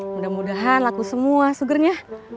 mudah mudahan laku semua sugernya